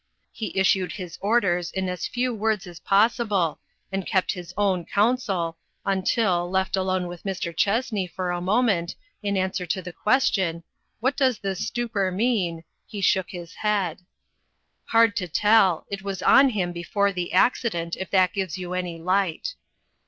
He is sued his orders in as few words as possible, and kept his own counsel, until, left alone with Mr. Chessney for a moment, in answer to the question, "What does this stupor mean ?" he shook his head. " Hard to tell. It was on him before the accident, if that gives you any light."